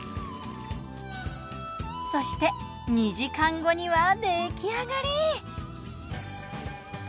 そして２時間後には出来上がり！